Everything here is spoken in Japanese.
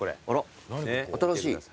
新しい。